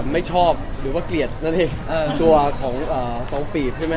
ไม่ชอบหรือว่าเกลียดนั่นเองตัวของสองปีบใช่ไหม